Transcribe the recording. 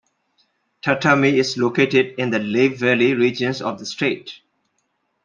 Tatamy is located in the Lehigh Valley region of the state.